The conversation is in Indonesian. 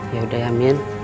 yaudah ya mimin